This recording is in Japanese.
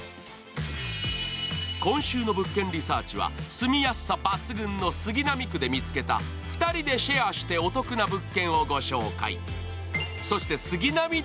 今週の「物件リサーチ」は住みやすさ抜群の杉並区で見つけた２人でシェアしてお得な物件をご紹介。